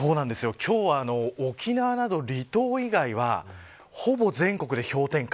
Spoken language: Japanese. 今日は沖縄など離島以外はほぼ全国で氷点下。